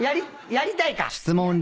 やりたい！